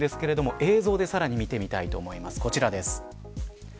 映像でさらに見てみたいと思います。